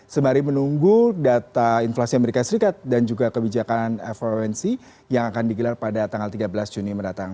semari menunggu data inflasi as dan juga kebijakan fomc yang akan digelar pada tanggal tiga belas juni yang akan datang